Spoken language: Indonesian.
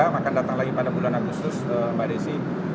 akan datang lagi pada bulan agustus mbak desi